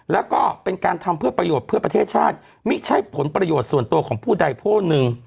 แล้วก็เป็นการทำเพื่อประโยชน์เพื่อประเทศชาติไม่ใช่ผลประโยชน์ส่วนตัวของผู้ใดผู้หนึ่ง